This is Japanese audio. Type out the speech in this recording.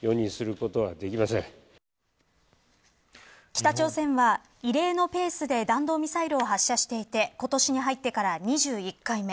北朝鮮は異例のペースで弾道ミサイルを覇者していて今年に入ってから２１回目。